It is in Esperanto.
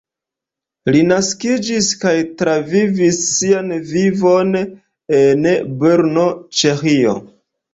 Li naskiĝis kaj travivis sian vivon en Brno, Ĉeĥio.